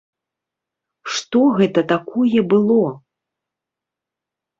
Што гэта такое было?